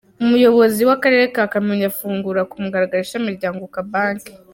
Umuyobozi w’akarere ka Kamonyi afungura ku mugaragaro ishami rya "Unguka Bank".